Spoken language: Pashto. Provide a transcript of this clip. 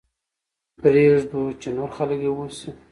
پرې يې ږدو چې نور خلک يې ويسي.